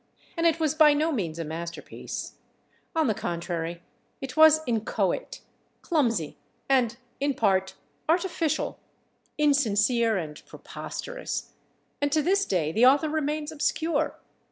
And it was by no means a masterpiece; on the contrary, it was inchoate, clumsy, and, in part, artificial, insincere and preposterous. And to this day the author remains obscure....